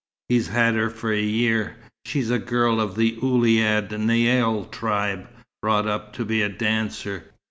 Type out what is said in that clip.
He's had her for a year. She's a girl of the Ouled Naïl tribe, brought up to be a dancer.